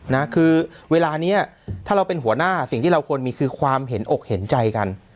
นะคือเวลานี้ถ้าเราเป็นหัวหน้าสิ่งที่เราควรมีคือความเห็นอกเห็นใจกัน